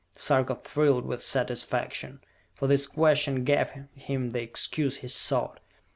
Sarka thrilled with satisfaction, for this question gave him the excuse he sought.